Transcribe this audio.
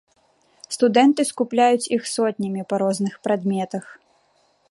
Студэнты скупляюць іх сотнямі па розных прадметах.